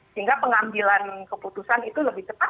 sehingga pengambilan keputusan itu lebih cepat